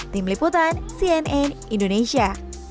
tim liputan cnn indonesia